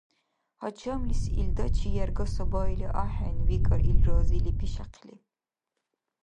— Гьачамлис илдачи ярга сабаили ахӀен, — викӀар, ил разили пишяхъили.